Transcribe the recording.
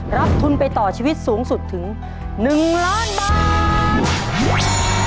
รับทุนไปต่อชีวิตสูงสุดถึง๑ล้านบาท